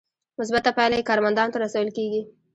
مثبته پایله یې کارمندانو ته رسول کیږي.